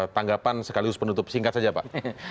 tanggapan sekaligus penutup singkat saja pak